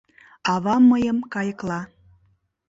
Авам мыйым кайыкла